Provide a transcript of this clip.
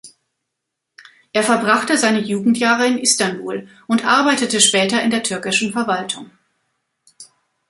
Er verbrachte seine Jugendjahre in Istanbul und arbeitete später in der türkischen Verwaltung.